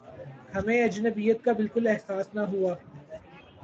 ہمیں اجنبیت کا بالکل احساس نہ ہوا